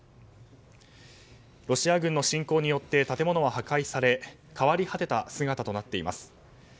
ロシア軍の侵攻によって建物は破壊され変わり果てた姿となっています。